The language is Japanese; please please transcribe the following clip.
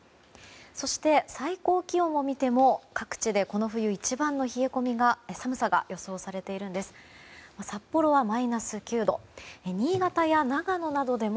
そして、最高気温を見ても各地でこの冬一番の寒さが予想されているんです。